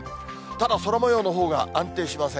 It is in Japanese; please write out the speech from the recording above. ただ、空もようのほうが安定しません。